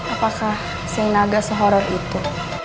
apakah senaga sehoror itu